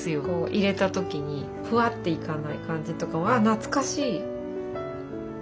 入れた時にふわっといかない感じとか懐かしい。